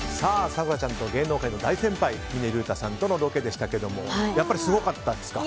咲楽ちゃんと芸能界の大先輩峰竜太さんとのロケでしたけどもやっぱりすごかったですか？